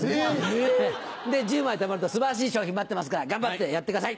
えっ！で１０枚たまると素晴らしい賞品待ってますから頑張ってやってください。